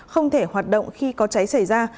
không thể hoạt động khi có cháy xảy ra